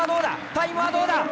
タイムはどうだ？